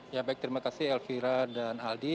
ya baik terima kasih elvira dan aldi